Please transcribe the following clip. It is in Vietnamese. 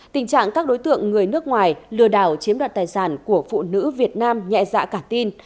tình trạng các đối tượng người nước ngoài lừa đảo chiếm đoạt tài sản của phụ nữ việt nam nhẹ dạ cả tin